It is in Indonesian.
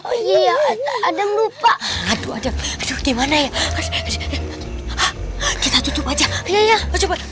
oh iya ada melupa aduh ada gimana ya kita tutup aja ya coba ini dulu